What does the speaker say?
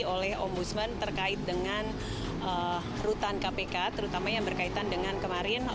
oleh ombudsman terkait dengan rutan kpk terutama yang berkaitan dengan kemarin